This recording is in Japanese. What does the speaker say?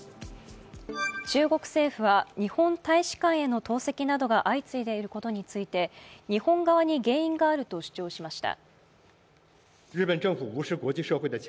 中国政府は日本大使館への投石などが相次いでいることについて日本側に原因があると主張しました。